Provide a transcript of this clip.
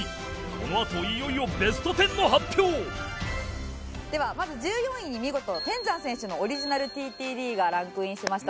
このあといよいよベスト１０の発表！ではまず１４位に見事天山選手のオリジナル ＴＴＤ がランクインしました。